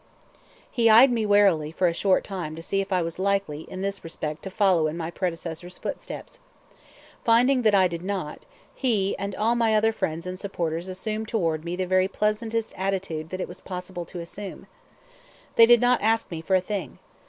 He eyed me warily for a short time to see if I was likely in this respect to follow in my predecessor's footsteps. Finding that I did not, he and all my other friends and supporters assumed toward me the very pleasantest attitude that it was possible to assume. They did not ask me for a thing.